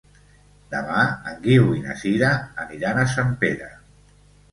Demà en Guiu i na Sira aniran a Sempere.